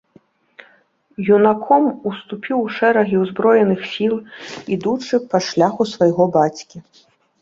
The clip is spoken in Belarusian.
Юнаком уступіў у шэрагі ўзброеных сіл, ідучы па шляху свайго бацькі.